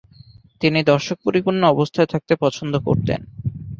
তিনি দর্শক পরিপূর্ণ অবস্থায় থাকতে পছন্দ করতেন।